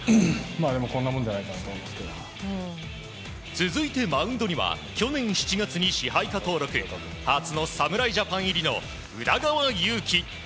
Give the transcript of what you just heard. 続いて、マウンドには去年７月に支配下登録初の侍ジャパン入りの宇田川優希。